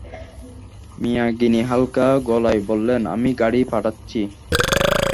মিয়া গিনি হালকা গলায় বললেন, আমি গাড়ি পাঠাচ্ছি।